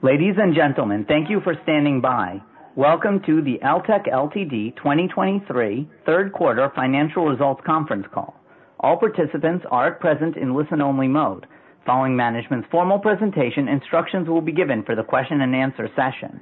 Ladies and gentlemen, thank you for standing by. Welcome to the Eltek Ltd. 2023 third quarter financial results conference call. All participants are at present in listen-only mode. Following management's formal presentation, instructions will be given for the question and answer session.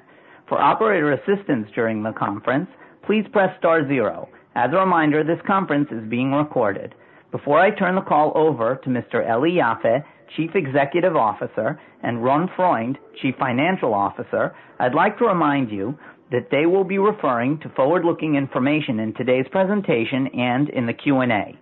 For operator assistance during the conference, please press star zero. As a reminder, this conference is being recorded. Before I turn the call over to Mr. Eli Yaffe, Chief Executive Officer, and Ron Freund, Chief Financial Officer, I'd like to remind you that they will be referring to forward-looking information in today's presentation and in the Q&A.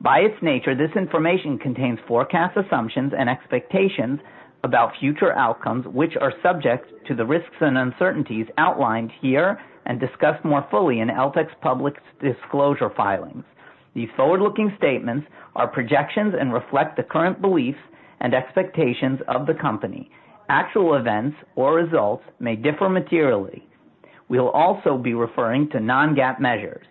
By its nature, this information contains forecast assumptions and expectations about future outcomes, which are subject to the risks and uncertainties outlined here and discussed more fully in Eltek's public disclosure filings. These forward-looking statements are projections and reflect the current beliefs and expectations of the company. Actual events or results may differ materially. We'll also be referring to non-GAAP measures.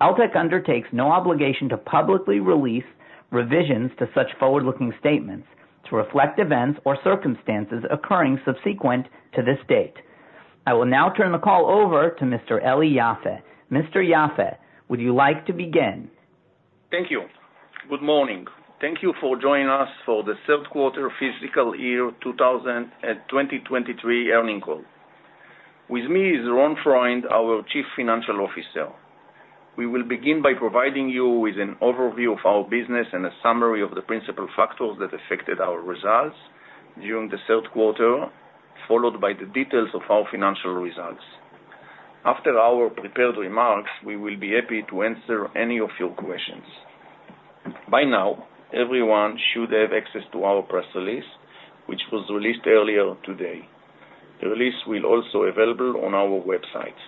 Eltek undertakes no obligation to publicly release revisions to such forward-looking statements to reflect events or circumstances occurring subsequent to this date. I will now turn the call over to Mr. Eli Yaffe. Mr. Yaffe, would you like to begin? Thank you. Good morning. Thank you for joining us for the third quarter fiscal year 2023 earnings call. With me is Ron Freund, our Chief Financial Officer. We will begin by providing you with an overview of our business and a summary of the principal factors that affected our results during the third quarter, followed by the details of our financial results. After our prepared remarks, we will be happy to answer any of your questions. By now, everyone should have access to our press release, which was released earlier today. The release is also available on our website.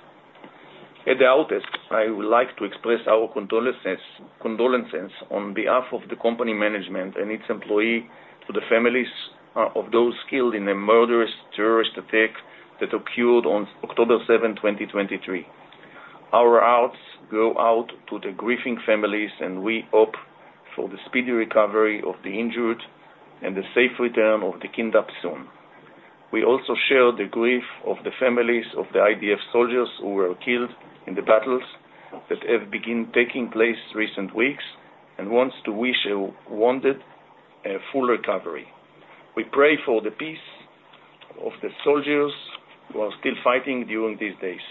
At the outset, I would like to express our condolences, condolences on behalf of the company management and its employees to the families of those killed in a murderous terrorist attack that occurred on October 7, 2023. Our hearts go out to the grieving families, and we hope for the speedy recovery of the injured and the safe return of the kidnapped soon. We also share the grief of the families of the IDF soldiers who were killed in the battles that have begun taking place recent weeks and want to wish a wounded a full recovery. We pray for the peace of the soldiers who are still fighting during these days.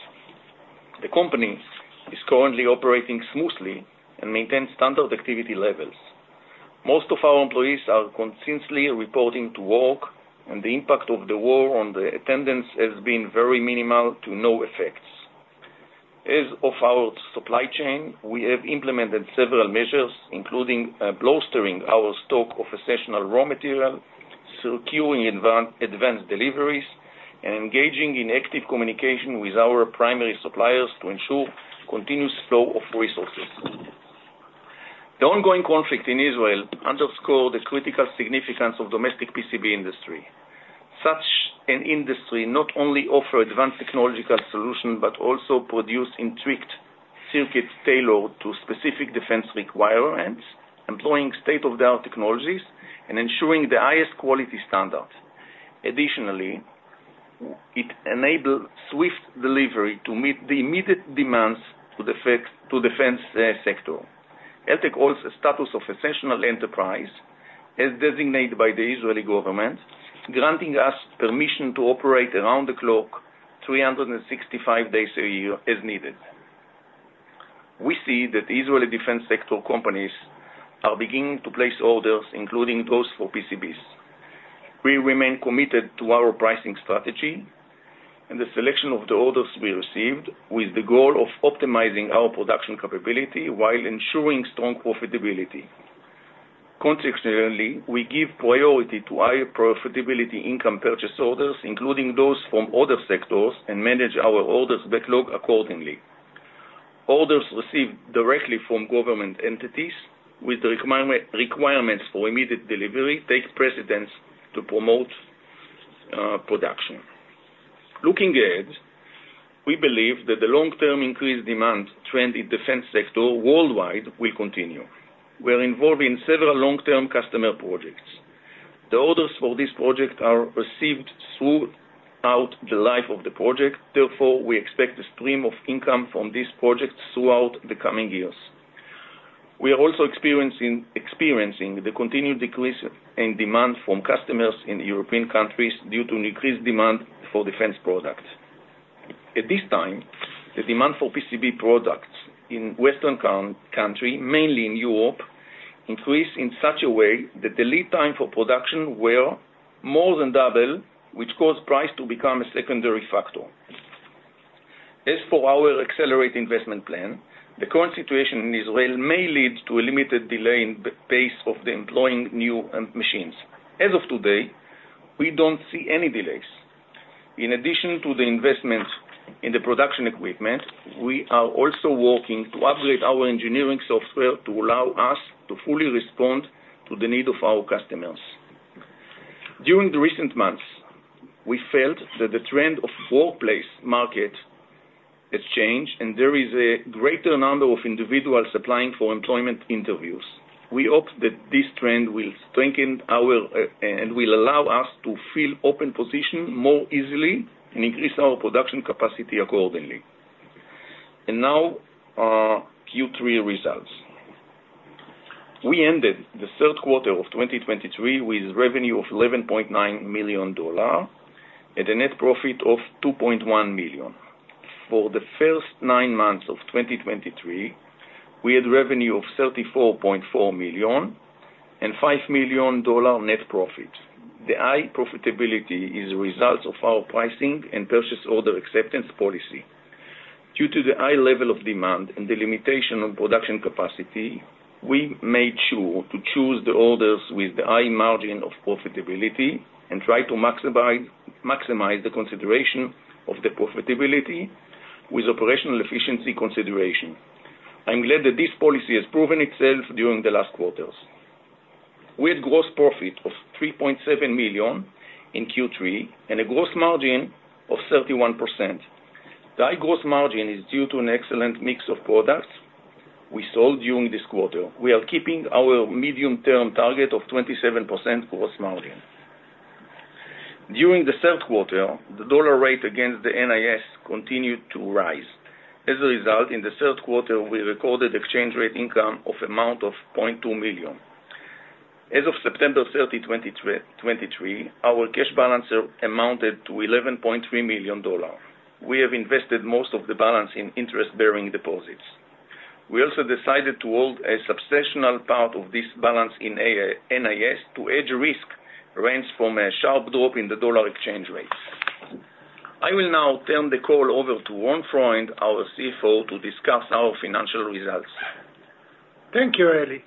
The company is currently operating smoothly and maintains standard activity levels. Most of our employees are consistently reporting to work, and the impact of the war on the attendance has been very minimal to no effects. As of our supply chain, we have implemented several measures, including bolstering our stock of essential raw material, securing advanced deliveries, and engaging in active communication with our primary suppliers to ensure continuous flow of resources. The ongoing conflict in Israel underscores the critical significance of domestic PCB industry. Such an industry not only offers advanced technological solutions, but also produces intricate circuits tailored to specific defense requirements, employing state-of-the-art technologies and ensuring the highest quality standards. Additionally, it enables swift delivery to meet the immediate demands to defense sector. Eltek holds a status of essential enterprise, as designated by the Israeli government, granting us permission to operate around-the-clock, 365 days a year, as needed. We see that the Israeli defense sector companies are beginning to place orders, including those for PCBs. We remain committed to our pricing strategy and the selection of the orders we received, with the goal of optimizing our production capability while ensuring strong profitability. Contextually, we give priority to higher profitability income purchase orders, including those from other sectors, and manage our orders backlog accordingly. Orders received directly from government entities with the requirement, requirements for immediate delivery take precedence to promote production. Looking ahead, we believe that the long-term increased demand trend in defense sector worldwide will continue. We are involved in several long-term customer projects. The orders for this project are received throughout the life of the project, therefore, we expect a stream of income from this project throughout the coming years. We are also experiencing the continued decrease in demand from customers in European countries due to increased demand for defense products. At this time, the demand for PCB products in Western country, mainly in Europe, increased in such a way that the lead time for production were more than double, which caused price to become a secondary factor. As for our accelerated investment plan, the current situation in Israel may lead to a limited delay in the pace of employing new machines. As of today, we don't see any delays. In addition to the investment in the production equipment, we are also working to upgrade our engineering software to allow us to fully respond to the need of our customers. During the recent months, we felt that the trend of workplace market has changed, and there is a greater number of individuals applying for employment interviews. We hope that this trend will strengthen our, and will allow us to fill open positions more easily and increase our production capacity accordingly. Now, Q3 results. We ended the third quarter of 2023 with revenue of $11.9 million and a net profit of $2.1 million. For the first 9 months of 2023, we had revenue of $34.4 million and $5 million net profit. The high profitability is a result of our pricing and purchase order acceptance policy. Due to the high level of demand and the limitation on production capacity, we made sure to choose the orders with the high margin of profitability and try to maximize, maximize the consideration of the profitability with operational efficiency consideration. I'm glad that this policy has proven itself during the last quarters. We had gross profit of $3.7 million in Q3, and a gross margin of 31%. The high gross margin is due to an excellent mix of products we sold during this quarter. We are keeping our medium-term target of 27% gross margin. During the third quarter, the dollar rate against the NIS continued to rise. As a result, in the third quarter, we recorded exchange rate income of $0.2 million. As of September 30, 2023, our cash balance amounted to $11.3 million. We have invested most of the balance in interest-bearing deposits. We also decided to hold a substantial part of this balance in NIS to hedge risk range from a sharp drop in the dollar exchange rate. I will now turn the call over to Ron Freund, our CFO, to discuss our financial results. Thank you, Eli.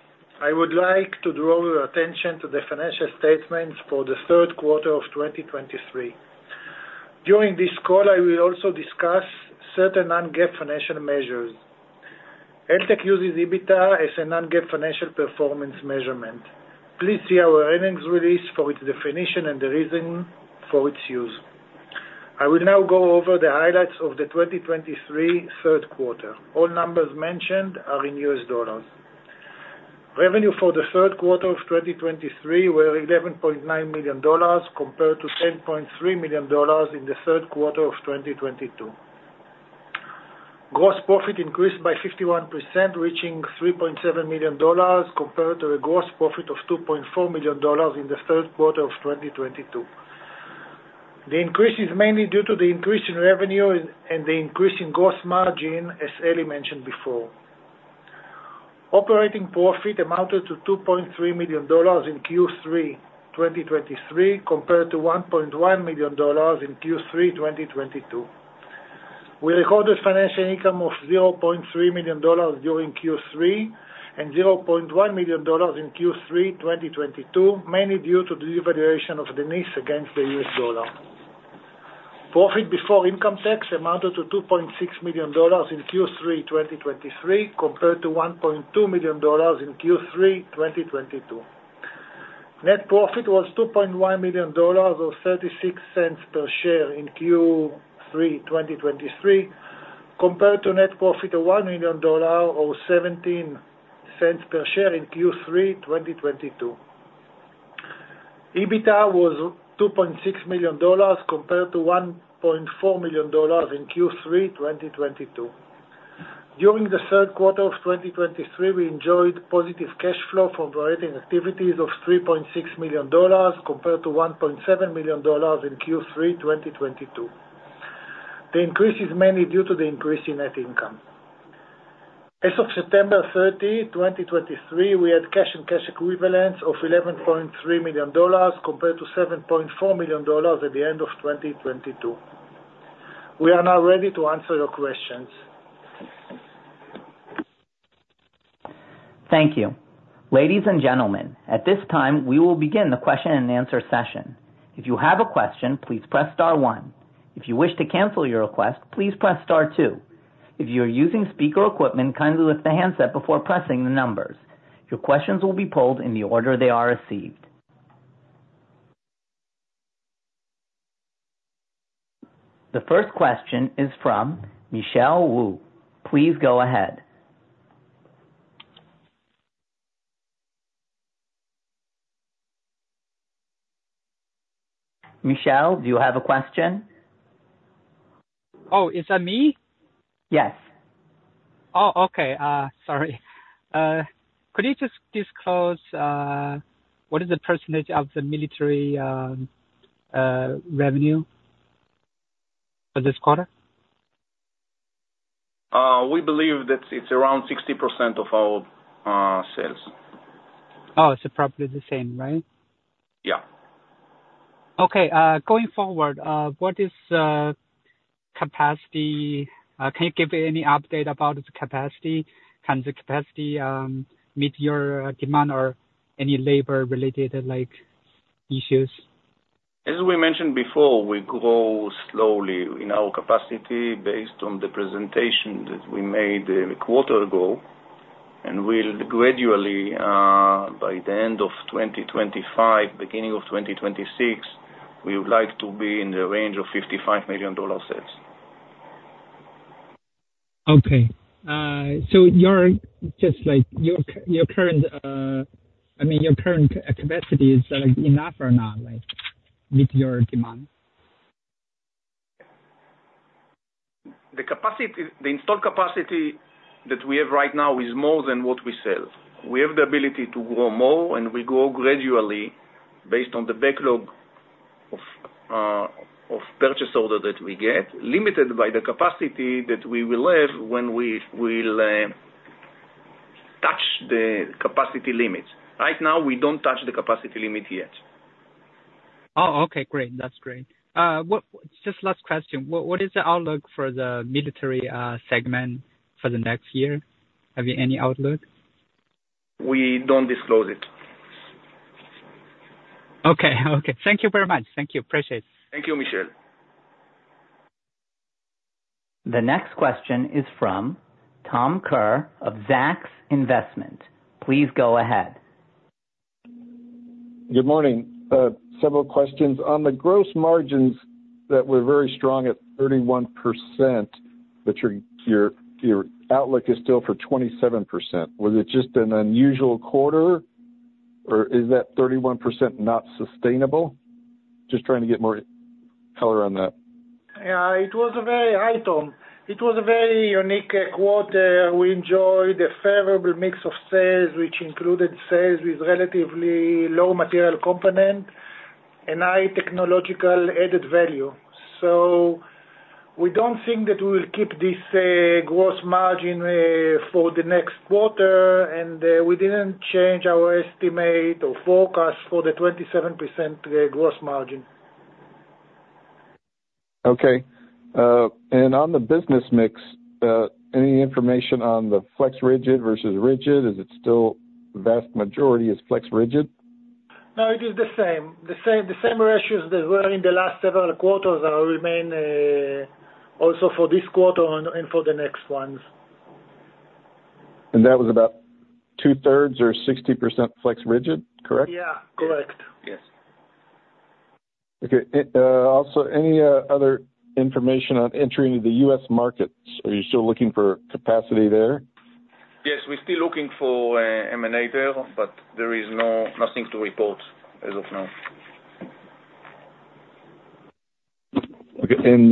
I would like to draw your attention to the financial statements for the third quarter of 2023. During this call, I will also discuss certain non-GAAP financial measures. Eltek uses EBITDA as a non-GAAP financial performance measurement. Please see our earnings release for its definition and the reason for its use. I will now go over the highlights of the 2023 third quarter. All numbers mentioned are in U.S. dollars. Revenue for the third quarter of 2023 were $11.9 million compared to $10.3 million in the third quarter of 2022. Gross profit increased by 51%, reaching $3.7 million, compared to a gross profit of $2.4 million in the third quarter of 2022. The increase is mainly due to the increase in revenue and the increase in gross margin, as Eli mentioned before. Operating profit amounted to $2.3 million in Q3 2023, compared to $1.1 million in Q3 2022. We recorded financial income of $0.3 million during Q3, and $0.1 million in Q3 2022, mainly due to the devaluation of the NIS against the US dollar. Profit before income tax amounted to $2.6 million in Q3 2023, compared to $1.2 million in Q3 2022. Net profit was $2.1 million, or 36 cents per share in Q3 2023, compared to net profit of $1 million or 17 cents per share in Q3 2022. EBITDA was $2.6 million, compared to $1.4 million in Q3 2022. During the third quarter of 2023, we enjoyed positive cash flow from operating activities of $3.6 million, compared to $1.7 million in Q3 2022. The increase is mainly due to the increase in net income. As of September 30, 2023, we had cash and cash equivalents of $11.3 million, compared to $7.4 million at the end of 2022. We are now ready to answer your questions. Thank you. Ladies and gentlemen, at this time, we will begin the question-and-answer session. If you have a question, please press star one. If you wish to cancel your request, please press star two. If you are using speaker equipment, kindly lift the handset before pressing the numbers. Your questions will be polled in the order they are received. The first question is from Michelle Wu. Please go ahead. Michelle, do you have a question? Oh, is that me? Yes. Oh, okay. Sorry. Could you just disclose what is the percentage of the military revenue for this quarter? We believe that it's around 60% of our sales. Oh, so probably the same, right? Yeah. Okay, going forward, what is capacity? Can you give any update about the capacity? Can the capacity meet your demand or any labor-related, like, issues? As we mentioned before, we grow slowly in our capacity based on the presentation that we made a quarter ago, and we'll gradually, by the end of 2025, beginning of 2026, we would like to be in the range of $55 million sales. Okay. So, just like, your current, I mean, your current capacity is, like, enough or not, like, meet your demand? The capacity, the installed capacity that we have right now is more than what we sell. We have the ability to grow more, and we grow gradually based on the backlog of, of purchase order that we get, limited by the capacity that we will have when we will, touch the capacity limits. Right now, we don't touch the capacity limit yet. Oh, okay. Great! That's great. Just last question. What, what is the outlook for the military segment for the next year? Have you any outlook? We don't disclose it. Okay. Okay. Thank you very much. Thank you. Appreciate it. Thank you, Michelle. The next question is from Tom Kerr of Zacks Investment. Please go ahead. Good morning. Several questions. On the gross margins that were very strong at 31%, but your, your, your outlook is still for 27%. Was it just an unusual quarter, or is that 31% not sustainable? Just trying to get more color on that. Yeah, it was a very... Hi, Tom. It was a very unique quarter. We enjoyed a favorable mix of sales, which included sales with relatively low material component and high technological added value. So we don't think that we will keep this gross margin for the next quarter, and we didn't change our estimate or forecast for the 27% gross margin. Okay. And on the business mix, any information on the flex-rigid versus rigid? Is it still vast majority is Flex-Rigid? No, it is the same. The same, the same ratios that were in the last several quarters remain also for this quarter and, and for the next ones. That was about two-thirds or 60% flex rigid, correct? Yeah. Correct. Yes. Okay. Also, any other information on entering the U.S. markets? Are you still looking for capacity there? Yes, we're still looking for M&A there, but there is nothing to report as of now. Okay. And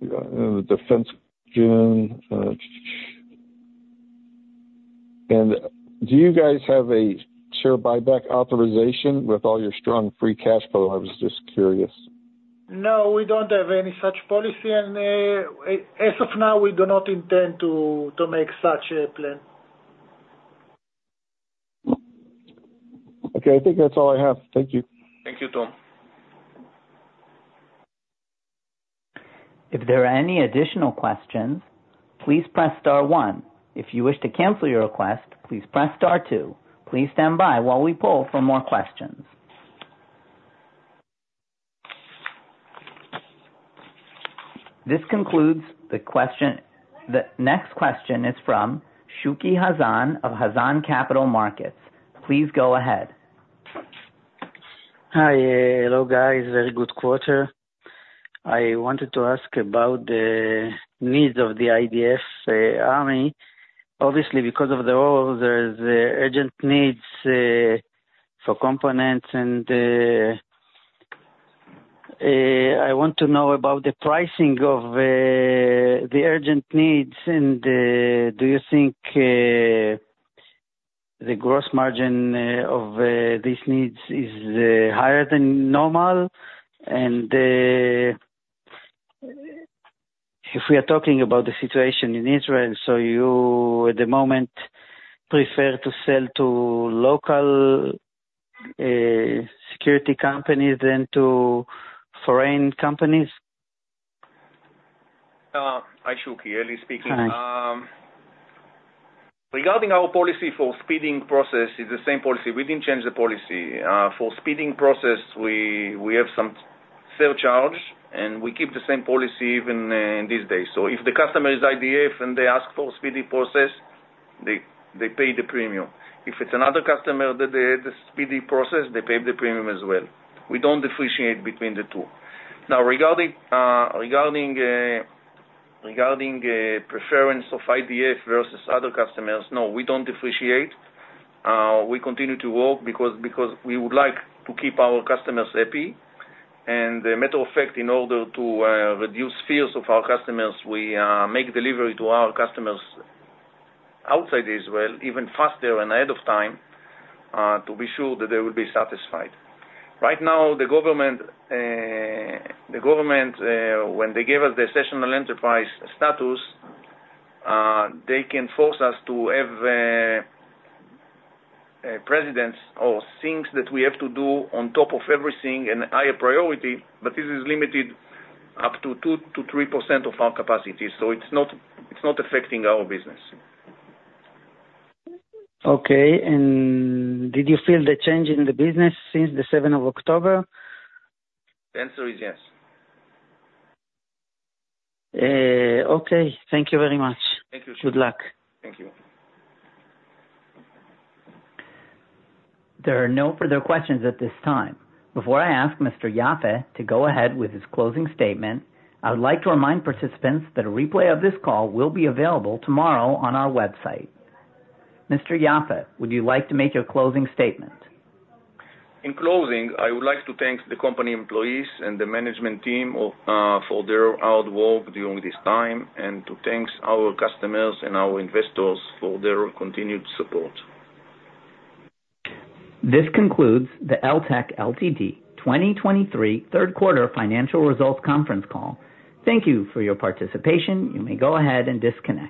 the defense... And do you guys have a share buyback authorization with all your strong free cash flow? I was just curious. No, we don't have any such policy, and, as of now, we do not intend to make such a plan. Okay, I think that's all I have. Thank you. Thank you, Tom. If there are any additional questions, please press star one. If you wish to cancel your request, please press star two. Please stand by while we poll for more questions. This concludes the question... The next question is from Shuki Hazan of Hazan Capital Markets. Please go ahead. Hi, hello, guys. Very good quarter. I wanted to ask about the needs of the IDF, army. Obviously, because of the role, there's urgent needs for components, and I want to know about the pricing of the urgent needs, and do you think the gross margin of these needs is higher than normal? And if we are talking about the situation in Israel, so you, at the moment, prefer to sell to local security companies than to foreign companies? Hi, Shuki, Eli speaking. Hi. Regarding our policy for speeding process, is the same policy. We didn't change the policy. For speeding process, we have some surcharge, and we keep the same policy even in this day. So if the customer is IDF and they ask for speedy process, they pay the premium. If it's another customer that they have the speedy process, they pay the premium as well. We don't differentiate between the two. Now, regarding preference of IDF versus other customers, no, we don't differentiate. We continue to work because we would like to keep our customers happy. And the matter of fact, in order to reduce fears of our customers, we make delivery to our customers outside Israel even faster and ahead of time, to be sure that they will be satisfied. Right now, the government, when they gave us the essential enterprise status, they can force us to have a precedence or things that we have to do on top of everything and higher priority, but this is limited up to 2%-3% of our capacity, so it's not affecting our business. Okay, did you feel the change in the business since the seventh of October? The answer is yes. Okay. Thank you very much. Thank you. Good luck. Thank you. There are no further questions at this time. Before I ask Mr. Yaffe to go ahead with his closing statement, I would like to remind participants that a replay of this call will be available tomorrow on our website. Mr. Yaffe, would you like to make your closing statement? In closing, I would like to thank the company employees and the management team of, for their hard work during this time, and to thank our customers and our investors for their continued support. This concludes the Eltek Ltd. 2023 third quarter financial results conference call. Thank you for your participation. You may go ahead and disconnect.